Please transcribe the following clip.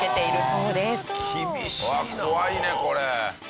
うわ怖いねこれ。